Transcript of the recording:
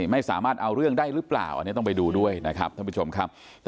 ไม่สามารถเอาเรื่องได้หรือเปล่าอันนี้ต้องไปดูด้วยนะครับท่านผู้ชมครับ